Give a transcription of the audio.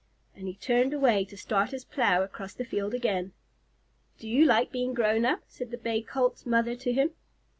And he turned away to start his plow across the field again. "Do you like being grown up?" said the Bay Colt's mother to him.